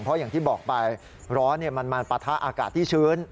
เพราะอย่างที่บอกไปร้อนมันมาปะทะอากาศที่ชื้น